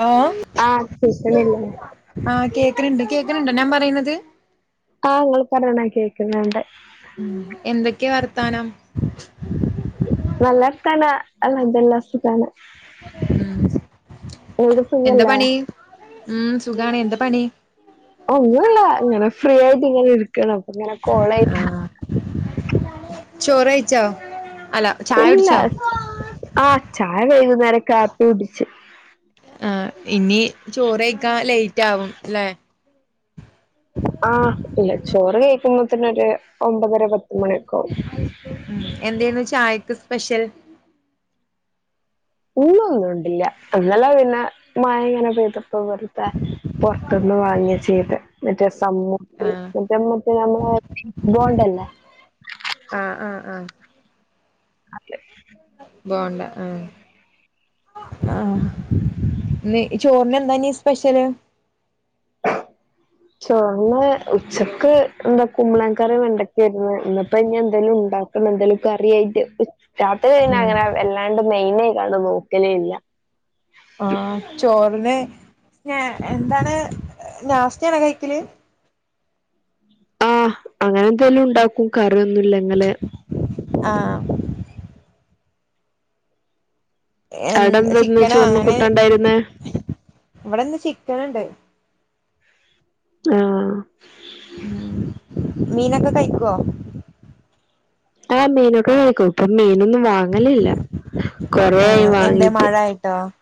Hello ആഹ് കേക്ക്ണില്ലേ ആഹ് കേക്ക്ണ് ഉണ്ട് കേൾക്കണുണ്ടൊ ഞാൻ പറയുന്നത് ആ നിങ്ങള് പറയണത് കേക്ക്ന്നുണ്ട് ഉം എന്തൊക്കെയാ വർത്താനം നല്ല വർത്താനം അൽഹംദുലില്ലാഹ് സുഖാണ് ഉം അവടെ എന്താ സുഖല്ലേ പണി ഉം സുഖാണ്‌. എന്താ പണി ഒന്നുല്ല ഇങ്ങനെ ഫ്രീ ആയിട്ട് ഇങ്ങനെ ഇരിക്കാണ് അപ്പ ഇങ്ങനെ കോൾ ചെയ്തതാ ആഹ് ചോറ് വെയ്ച്ചോ അല്ല ചായ ഇല്ല കുടിച്ചോ ആ ചായ വൈകുന്നേരം കാപ്പി കുടിച്ച് ആ ഇനി ചോറ് വെയ്ക്കാൻ ലേറ്റ് ആവും അല്ലെ ആ ഇല്ല ചോറ് കഴിക്കുമ്പത്തിന് ഒരു ഒമ്പതര പത്ത്മണി ഉം എന്തേന്നു ചായക്ക് സ്പെഷ്യൽ ഒന്നും ഊൺ ഉണ്ടില്ല ഇന്നലെ പിന്നെ മയ ഇങ്ങനെ പെയ്തു ഇന്നലെ ഇപ്പ പൊറത്തന്ന് വാങ്ങാ ചെയ്ത് മറ്റേ സമൂസ ആഹ് [unintelligible] പോലെ തന്നെ നമ്മളേ ബോണ്ടല്ലേ ആഹ് ആഹ് ആഹ് [unintelligible] ബോണ്ട ആഹ് ആഹ് ഇനി ചോറിന് എന്താ ഇഞ്ഞി സ്പെഷ്യല് ചോറ്ന് ഉച്ച ക്ക് എന്താ കുമ്പളങ്ങ കറി വെണ്ടക്കായിരുന്നു ഇഞ്ഞിപ്പോ ഇനി എന്തേലും ഇണ്ടാക്കണം എന്തേലും കറിയായിട്ട് രാത്രി കയ്ഞ്ഞ ഉം അങ്ങനെ വല്ലാണ്ട് മെയിനയിക്കാണ്ട് നോക്കലില്ല ആഹ് ചോറിന് സ്‌ന എന്താണ് നാസ്ത ആണോ കഴിക്കല് ആ അങ്ങനെ എന്തെലും ഇണ്ടാക്കും കറിയൊന്നും ഇല്ലെങ്കില് ആഹ് അവിടെ എ എന്താന്ന് ചിക്കനൊ ചോറിന് അങ്ങനെ കൂട്ടാൻ ഉണ്ടായിരുന്നേ ഇവിടെ ഇന്ന് ചിക്കന്ണ്ട് ആഹ് മീനൊക്കെ കഴിക്കോ ആഹ് മീനൊക്കെ കഴിക്കും ഇപ്പൊ മീനൊന്നും വാങ്ങലില്ല കൊറേ ആയി ആഹ് എന്തേ വാങ്ങീട്ട് [unintelligible]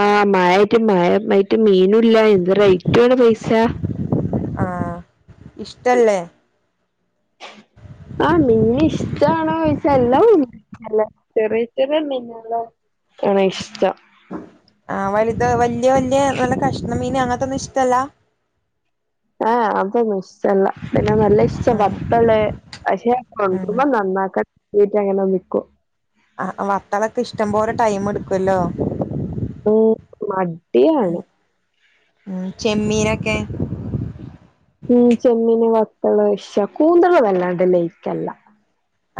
ആ മഴായിട്ട് മായായിട്ട് മീനും ഇല്ല എന്ത്‌ റേറ്റും ആണ് പൈസ ആഹ് ഇഷ്ടല്ലേ ആ മീൻ ഇഷ്ടാണോ ചോയ്ച്ചാ എല്ലാ നല്ല ചെറിയ ചെറിയ മീന് കള് ആണ് ഇഷ്ടം ആ വലുത് വല്ല്യ വല്ല്യ നല്ല കഷ്ണം മീന് അങ്ങനത്തൊന്നും ഇഷ്ടല്ല എ ഏ അതൊന്നും ഇഷ് - ട്ടല്ല പിന്നെ നല്ല ഇഷ്ടം ഉം വത്തല് പക്ഷെ കൊണ്ട് ഉം വരുമ്പോ നന്നാക്കാൻ മടി ആയിട്ട് അങ്ങനെ നിക്കും ആ വത്തലൊക്കെ ഇഷ്ടംപോലെ ടൈം എടുക്കും അല്ലോ ഉം മടിയാണ് ഉം ചെമ്മീനൊക്കെ ഉം ചെമ്മീന്, വത്തല് ഇഷ്ടം കൂന്തള് വല്ലാണ്ട് ലൈക്കല്ല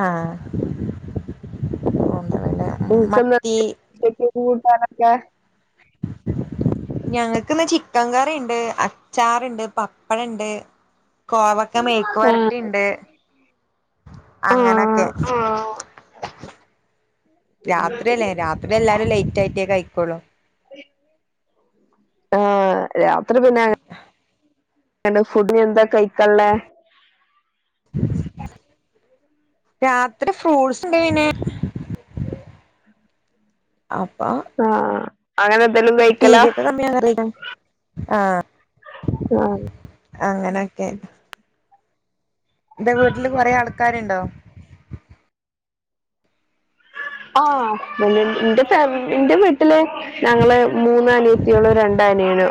ആഹ് [unintelligible] ല്ല നിങ്ങക്ക്ന്ന് എന്തെന്നു ഉച്ചക്ക് കൂട്ടാനൊക്കെ [inaudible] ഞങ്ങക്ക് ഇന്ന് ചിക്കൻ കറി ഇണ്ട്, അച്ചാറ്ണ്ട്, പപ്പടണ്ട്, കോവക്ക മെയ്ക്ക് ആഹ് വരട്ടി ഇണ്ട്. ആഹ് അങ്ങനൊക്കെ രാത്രിയല്ലേ രാത്രി എല്ലാവരും ലേറ്റ് ആയിട്ടേ കയിക്കൊള്ളൂ. ആഹ് രാത്രി പിന്നെ അ എണ് ഫുഡിയെന്താ കഴിക്കാള്ളേ രാത്രി ഫ്രൂട്ട്സ്ണ്ട് ഇൻണ്ടെന് അപ്പാ ആഹ് അങ്ങനെന്തേലും കയിക്കലാ ഒക്കെ കമ്മിയാ കറിയിക്കാം. ആഹ് അങ്ങനെയൊക്കെ നിന്റെ വീട്ടില് കൊറേ ആൾക്കാര്ണ്ടോ ആഹ് ഇന്റ ഫാമ് ഇന്റ വീട്ട് ട്ടില് ഞങ്ങള് മൂന്നനിയത്തികളും രണ്ടനിയനും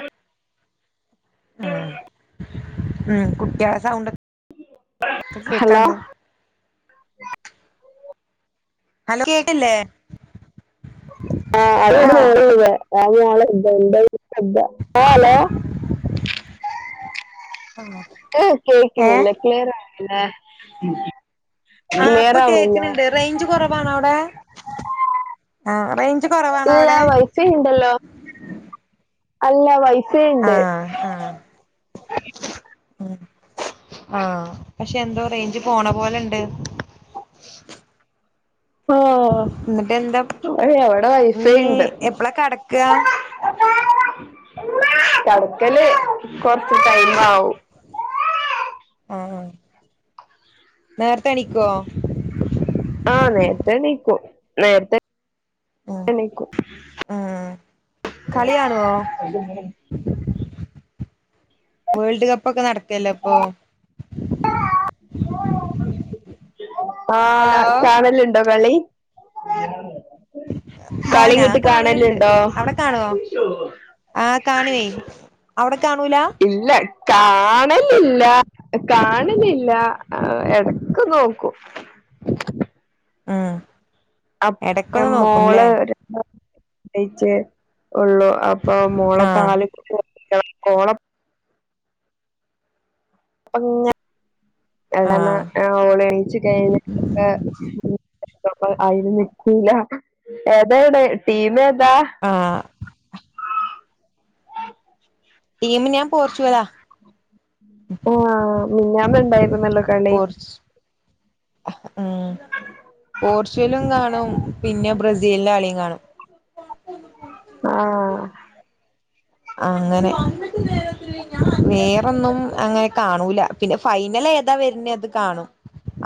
ആഹ് ഉം കുട്ടിളെ സൗണ്ടൊ ക്കെ ഹലോ കേക്കാണ്ട് ഹലോ കേക്കില്ലേ ഏഹ് അത് ഹോ [unintelligible] ആഹ് ഹലോ [inaudible] ആഹ് ക്ക് കേക്കുന്നില്ലേ ക്ലിയറാവുന്നില്ലേ ഉം ആഹ് ഇപ്പൊ കേക്ക്ണ് ണ്ട് റെയ്ഞ്ച് കൊറവാണോ അവടേ ആഹ് റെയ്ഞ്ച് കൊറവാണവടെ ഇപ്പച്ചി ഇണ്ടല്ലോ അല്ല വൈ ആഹ് ആഹ് ഉം ആഹ് പക്ഷെ എന്തോ റെയ്ഞ്ച് പോണ പോലെണ്ട് എന്നിട്ട് എന്താ ആഹ് ഏയ് അവടെ വൈഫൈ നീ ഇണ്ട് എപ്പളാ കെടക്കാ കെടക്കല് കൊറച്ച് ടൈമാവും ആഹാ നേരത്തെ എണീക്കുവോ ആഹ് നേരത്തെ എണീക്കും നേരത്തെ അഹ് എണീക്കും ആഹ് കളി കാണുവോ വേൾഡ് കപ്പൊക്കെ നടക്ക് അല്ലേ ഇപ്പൊ ഹലോ ആഹ് കാണല്ണ്ടോ കളി കളി ആഹ് ഞാൻ ഇങ്ങട്ട് കാണലുണ്ട് കാണല്ണ്ടോ അവിടെ കാണുവോ ആഹ് കാണുവേ അവടെ കാണൂലാ ഇല്ല കാണലില്ലാ ഹ് കാണലില്ലാ ആഹ് എടക്ക് നോക്കും [inaudible] ആഹ് അപ്പ് ന മോള് ഒര് അഹ് എയിച്ചേ ഒള്ളൂ അപ്പ മോള ആഹ് പാല് കു ണ്ടായി കോളം ആഹ് [unintelligible] ഓളെണീച്ച് കഴിഞ്ഞ പിന്നെ അയില് നിക്കൂലാ ഏതാണ് ടീമേതാ ആഹ് ടീമ് ഞാൻ പോർച്ചുഗലാ ആഹ് മിനിഞ്ഞാന്ന്ണ്ടായിരുന് പോർച്ച് ഉം പോർച്ചുഗലും കാണും പിന്നെ ബ്രസീലിന്റെ കളിയും കാണും ആഹ് അങ്ങനെ വേറൊന്നും അങ്ങനെ കാണൂല പിന്നെ ഫൈനലേതാ വെര്ണ് അത് കാണും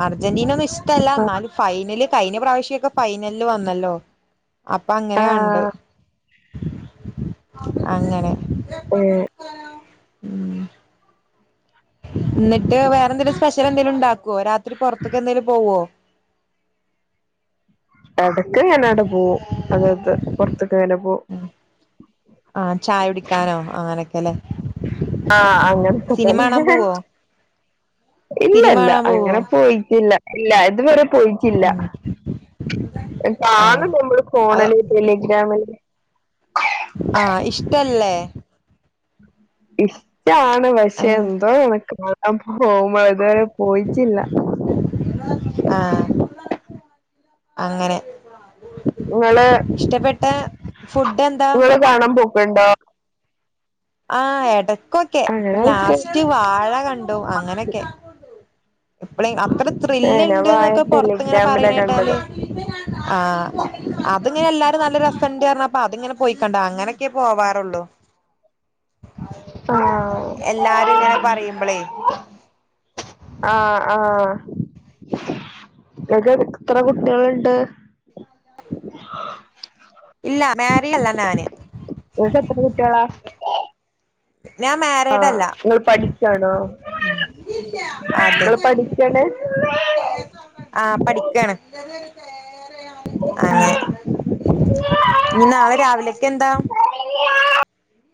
അർജന്റീനൊന്നും ഇഷ്ടല്ല അന്നാലും ഫൈനല് കയിഞ്ഞ പ്രാവശ്യൊക്കെ ഫൈനലില് വന്നല്ലോ അപ്പൊ അങ്ങനെ കണ്ടു ആഹ് അങ്ങനെ ഏഹ് ന്നട്ട് വേറെ എന്തെലും സ്പെഷ്യൽ എന്തേലും ണ്ടാക്കൊ രാത്രി പൊറത്ത്ക്കെന്തെലും പോവോ എടക്ക് ങ്ങനാണ്ട് പോവും അതായത് പൊറത്തേക്ക്ങ്ങനെ പോ ഉ ആഹ് ചായ കുടിക്കാനോ അങ്ങനൊക്കെല്ലേ ആഹ് സിനിമ അങ്ങനക്കതന്നെ കാണാൻ പോവോ ഇല്ല സിനിമ ഇല്ല കാണാൻ പോവോ അങ്ങനെ പോയിറ്റില്ല ഇല്ല ഇതുവരെ പോയിറ്റില്ല ഉം ആ താണ് നമ്മള് അത് ഫോണില് ടെലിഗ്രാമില് ആഹ ഇഷ്ടല്ലേ ഇഷ്ടാണ് പക്ഷെ എന്തോനക്ക് കാണൻ പോകുമ്പഴ് ഇതുവരെ പോയിറ്റില്ല ആഹ് അങ്ങനെ ഇങ്ങള് ഇഷ്ടപ്പെട്ട ഫുഡ് എന്താ ങ്ങള് കാണാൻ പോക്കുണ്ടോ ആഹ് എടക്കൊക്കെ അങ്ങനെ ഇപ്പൊ ചോദിച്ചിട്ട് ലാസ്റ്റ് വാഴ കണ്ടു അങ്ങനെക്കെ അ പ്പള അപ്പള് ഏഹ് ഞാൻ വായ ത്രില്ണ്ട്ന്നൊക്കെ പൊറത്ത്ങ്ങനെ ടെലിഗ്രാമിലാ പറണേട്ടാല് കണ്ടത് ആഹ് അത്ങ്ങനെ എല്ലാരും നല്ല രസണ്ട് പർഞാൽ പ്പ അതിങ്ങനെ പോയിക്കണ്ട അങ്ങനെയൊക്കെ പോവാറുള്ളു ആഹ് എല്ലാരും ഇങ്ങനെ പറയുമ്പളേ ആഹ് ആഹ് ങ്ങൾക് എത്ര കുട്ടിൾണ്ട് ഇല്ല മാരിഡല്ല ഞാന് ഇങ്ങക്കെത്ര കുട്ടേളാ ഞാൻ മാരീ ആഹ് ഇങ്ങള് പഠിക്കണോ അതെ ങ്ങള് പഠിക്കാണ് ആഹ് പഠിക്കാണ് ഏഹ് ഇനി നാളെ രാവിലെക്കെന്താ അല്ല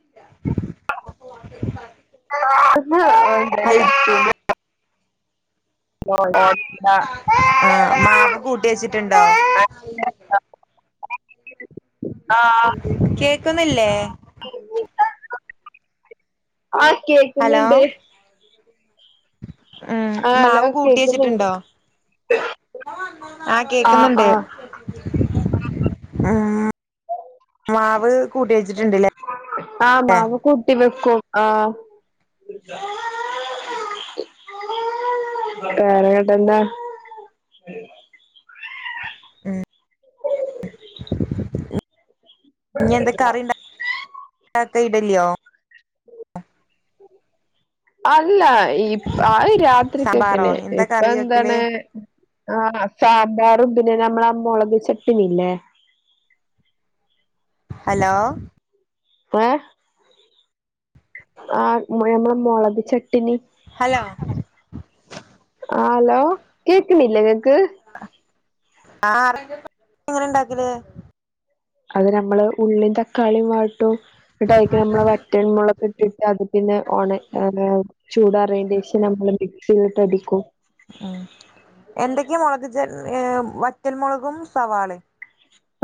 പ്പ [unintelligible] [unintelligible] ആഹ് മാവ് കൂട്ടി വെച്ചിട്ടുണ്ടോ ആഹ് കേക്കുന്നില്ലേ ആ ഹലോ കേക്കുന്നുണ്ട് ഉം ആ ഹലോ മാവ് കൂട്ടി കേക്കുന്നുണ്ട് വെച്ചിട്ടുണ്ടോ ആഹ് ആ കേക്കുന്നുണ്ട് ആ ആഹ് വെച്ചിട്ടുണ്ട്ല്ലേ ആഹ് മാവ് കുട്ടി വെക്കും ആഹ് വേറെ ഇങ്ങട്ട് എന്താ ഉ ഇഞ്ഞി എന്ത കറിണ്ടാ ണ്ടാക്ക ഇട്ലിയോ അല്ല ഇ അയ് സാമ്പാറോ രാത്രിക്കൊക്കല് എന്താ ഇപ്പൊ കറി വെക്കല് എന്താണ് ആഹ് സാമ്പാറും പിന്നെ നമ്മളെ ആ മൊളക് ചട്ടിനില്ലേ ഹലോ ഏഹ് ആഹ് നമ്മളെ മൊളക് ചട്ട്ണി ഹലോ ആഹ് ഹലോ കേക്ണില്ലേ ഇങ്ങക്ക് ആഹ് എങ്ങനെ ഇണ്ടാക്കല് അത് നമ്മള് ഉള്ളി തക്കാളി വാട്ടും ഇന്നട്ട് അയ്ക് നമ്മളെ വറ്റൽ മൊളക്ട്ടിട്ട് അത് പിന്നെ ഒണ [unintelligible] ചൂടാറീന്റെ ശേഷം നമ്മള് മിക്സീല് ഇട്ട് അടിക്കും ഉം എന്തൊക്കേ മൊളക് ഏഹ് വറ്റൽ മൊളകും സവാളേം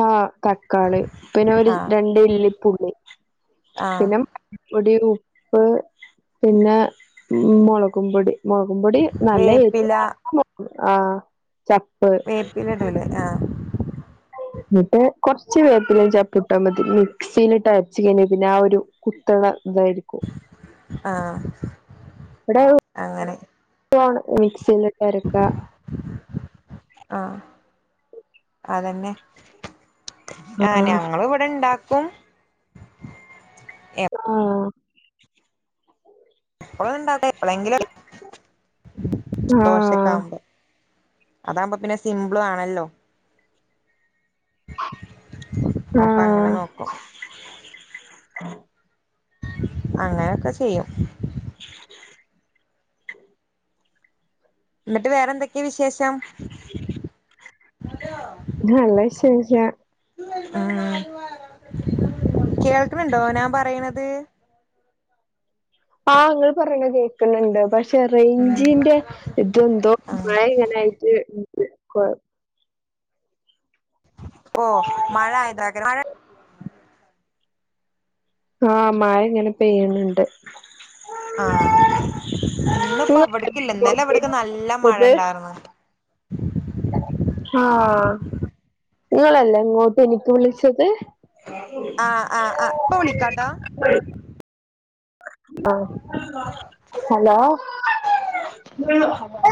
ആഹ് തക്കാളി പിന്നെ ഒര് ആഹ് രണ്ട്ല്ലിപ്പുള്ളി ആഹ് പിന്നെ പൊടി ഉപ്പ് പിന്നെ മൊളകും പൊടി മൊളകും പൊടി നല്ലഎരിവ് വേപ്പില വാണം ആഹ് ചപ്പ് വേപ്പില ഇടുല്ലേ ആഹ് ഇന്ന്ട്ട് കൊർച് വേപ്പിലേം ചപ്പുട്ടാമതി മിക്സീല്ട്ട് അരച്ച് കഴിഞ്ഞ പിന്നെ ആ ഒരു കുത്ത്ണ ഇതായിരിക്കും ആഹ് അങ്ങനെ [unintelligible] മിക്സീല്ട്ട് അരക്കാ ആഹ് അതന്നെ ആഹ് ഞങ്ങള് ഇവടെ ഇണ്ടാക്കും ആഹ് എപ്പളൂണ്ടാവൂല എപ്പ്ളേങ്കിലൊക്കെ ആഹ് ദോശെക്കാവുമ്പോ അതാവുമ്പപ്പൊ സിംമ്പ്ളാണല്ലോ അപ്പൊ അങ്ങനെ നോക്കും ആഹ് അങ്ങനെക്കെ ചെയ്യും ഇന്നട്ട് വേറെന്തെക്കെ വിശേഷം നല്ല വിശേഷം ആഹ് കേക്ക്ണ്ണ്ടോ ഞാൻ പറീണത് ആഹ് ഇങ്ങൾള് പറീണത് കേക്ക്ണ് ണ്ട് പക്ഷേ ഉം റേയ്ഞ്ചിന്റെ ഇതെന്തോ ആഹ് മഴ ഇങ്ങനായ്റ്റ് കൊ ഇപ്പോ മഴ ആയതാകാരം മഴ ആഹ് മഴ ഇങ്ങനെ പെയ്യ്ണ് ണ്ട് ആഹ് ഇന്ന് ഇപ്പൊ ഇവ്ട്ക്കില്ല ഇന്നലെ ഇവ്ട്ക്ക് നല്ല ഇത് മഴണ്ടാർന്ന് ആഹ് ങ്ങളല്ലേ ങ്ങോട്ട് എനിക്ക് വിളിച്ചത്? ആഹ് ആഹ് ആഹ് ഇപ്പ വിളിക്കാട്ടോ. ആഹ് ഹലോ ഹലോ